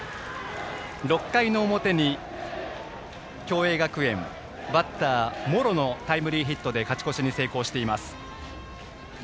６回の表に共栄学園バッター、茂呂のタイムリーヒットで勝ち越しに成功しています。